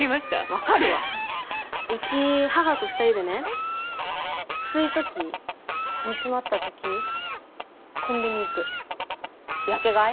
わかるわうち母と２人でねきついとき煮詰まったときコンビニ行くヤケ買い？